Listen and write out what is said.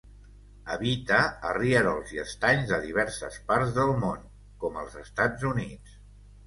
Habita a rierols i estanys de diverses parts del món, com els Estats Units.